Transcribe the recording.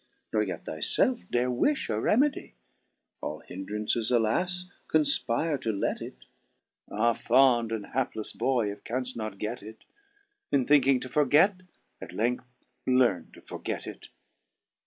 Nor yet thy felf dare wifli a remedy : All hindrances (alas !) confpire to let it ; Ah, fond, and haplefs Boy ! if canft not get it ! In thinking to forget, at length learne to forget it.